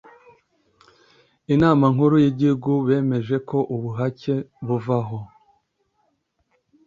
inama nkuru y'igihugu bemeje ko ubuhake buvaho